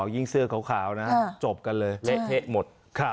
ยิ่งเสื้อขาวนะจบกันเลยเละเทะหมด